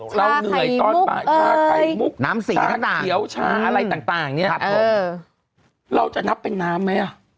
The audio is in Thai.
ชาไข่มุกชาเขียวชาอะไรต่างเนี่ยเราจะนับเป็นน้ำไหมอ่ะ